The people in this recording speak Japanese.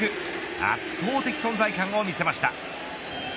圧倒的存在感を見せました。